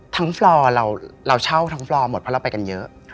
ฟลอร์เราเช่าทั้งฟลอร์หมดเพราะเราไปกันเยอะ